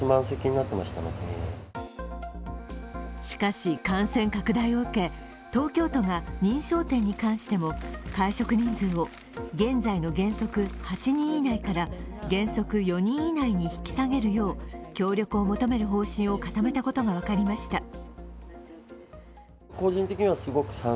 しかし、感染拡大を受け東京都が認証店に関しても会食人数を現在の原則８人以内から原則４人以内に引き下げるよう協力を求める方針を固めたことが分かりました。